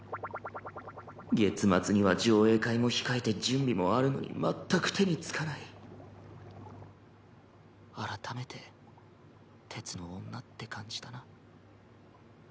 月末には上映会も控えて準備もあるのに改めて鉄の女って感じだな。